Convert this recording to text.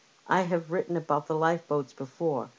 I have written about the lifeboats before.